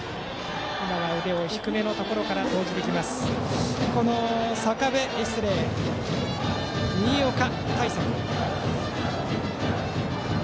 腕を低めのところから投じてきました、新岡。